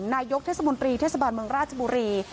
นายกเทศมนตรีเทศบาลเมืองราชบุรี